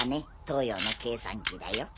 東洋の計算器だよ。